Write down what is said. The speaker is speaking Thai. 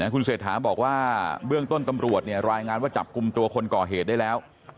คุณเศรษฐาบอกว่าเบื้องต้นตำรวจรายงานว่าจับกลุ่มตัวคนก่อเหตุได้แล้ว